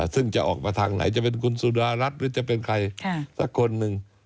ซึ่งจะออกมาทางไหนจะเป็นคุณสุดารัฐหรือจะเป็นใครสักคนหนึ่ง